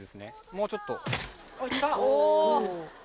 もうちょっとあいった！